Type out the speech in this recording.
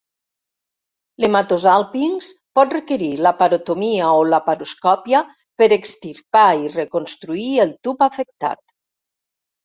L'hematosàlpinx pot requerir laparotomia o laparoscòpia per extirpar i reconstruir el tub afectat.